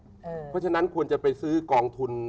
เพราะฉะนั้นควรจะไปซื้อกองทุน